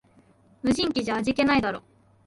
無人機じゃ味気ないだろ